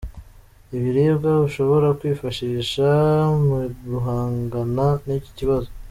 Ibiribwa ushobora kwifashisha mu guhangana n’iki kibazo.